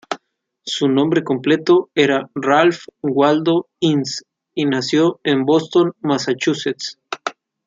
Su nombre completo era Ralph Waldo Ince, y nació en Boston, Massachusetts.